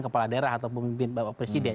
kepala daerah atau pemimpin bapak presiden